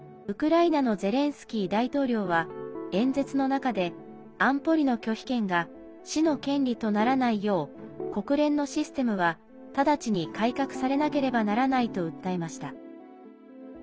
ウクライナのゼレンスキー大統領は演説の中で「安保理の拒否権が死の権利とならないよう国連のシステムは、ただちに改革されなければならない」と訴えました。